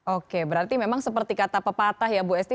oke berarti memang seperti kata pepatah ya bu esti